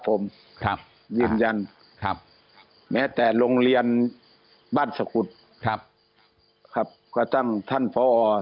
ผมครับยืนยันครับแม้แต่โรงเรียนบ้านสกุฎครับครับกระทั่งท่านพอ